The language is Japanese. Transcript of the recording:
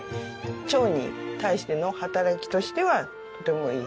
腸に対しての働きとしてはとてもいいと。